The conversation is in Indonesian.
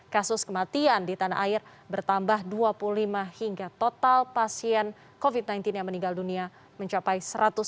kasus kematian di tanah air bertambah dua puluh lima hingga total pasien covid sembilan belas yang meninggal dunia mencapai satu ratus empat puluh empat tiga ratus tujuh puluh tiga